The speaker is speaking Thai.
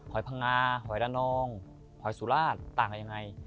อยพังงาหอยระนองหอยสุราชต่างกันยังไง